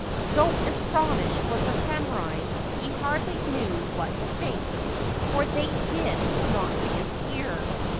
So astonished was the samurai, he hardly knew what to think, for they did not reappear.